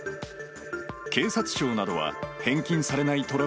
警察庁などは、返金されないトラ